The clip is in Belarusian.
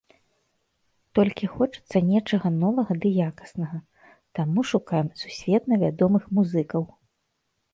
Толькі хочацца нечага новага ды якаснага, таму шукаем сусветна вядомых музыкаў.